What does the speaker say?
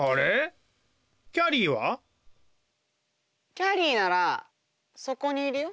きゃりーならそこにいるよ。